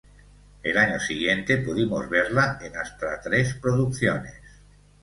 El año siguiente pudimos verla en hasta tres producciones.